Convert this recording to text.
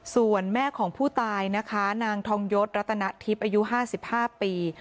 ส่วนแม่ของผู้ตายนะคะนางทองยศรัตนทิพย์อายุ๕๕ปี